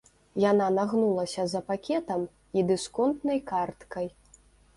Яна нагнулася за пакетам і дысконтнай карткай.